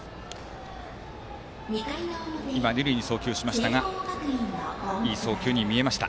尾形、二塁に送球しましたがいい送球に見えました。